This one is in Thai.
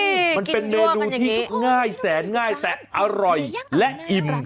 มันเป็นเมนูที่ง่ายแสนง่ายแต่อร่อยและอิ่ม